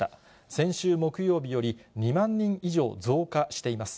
先週木曜日より２万人以上増加しています。